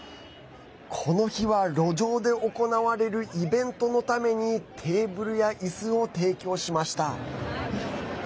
この日は路上で行われるイベントのためにテーブルやいすを提供しました。